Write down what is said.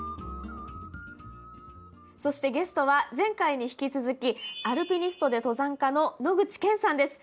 そしてゲストは前回に引き続きアルピニストで登山家の野口健さんです！